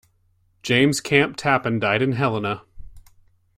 James Camp Tappan died in Helena.